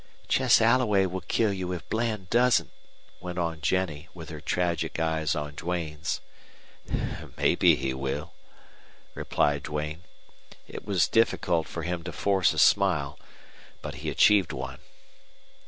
"Chess Alloway will kill you if Bland doesn't," went on Jennie, with her tragic eyes on Duane's. "Maybe he will," replied Duane. It was difficult for him to force a smile. But he achieved one.